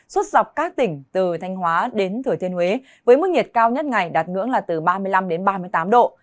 suốt dọc các tỉnh từ thanh hóa đến thừa thiên huế với mức nhiệt cao nhất ngày đạt ngưỡng là từ ba mươi năm đến ba mươi tám độ